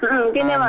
mungkin ya pak